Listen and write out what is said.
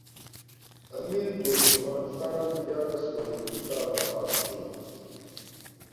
امیر دوست محمد خان دیارلس ورځې وروسته وفات شو.